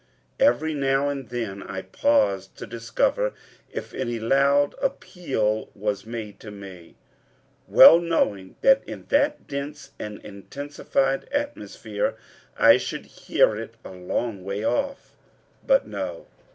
Every now and then I paused to discover if any loud appeal was made to me, well knowing that in that dense and intensified atmosphere I should hear it a long way off. But no.